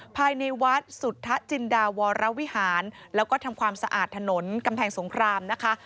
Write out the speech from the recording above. ภายในวัดสุทธจินดาวรวิหารแล้วก็ทำความสะอาดถนนกำแพงสงครามนะคะ